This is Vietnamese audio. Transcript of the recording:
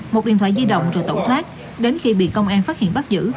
một điện thoại di động rồi tẩu thoát đến khi bị công an phát hiện bắt giữ